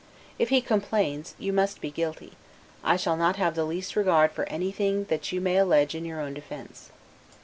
If he complains, you must be guilty; and I shall not have the least regard for anything that you may allege in your own defense.